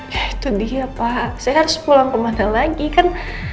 ya itu dia pak saya harus pulang kemana lagi kan